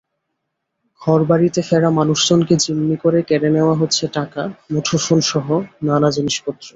ঘরবাড়িতে ফেরা মানুষজনকে জিম্মি করে কেড়ে নেওয়া হচ্ছে টাকা, মুঠোফোনসহ নানা জিনিসপত্র।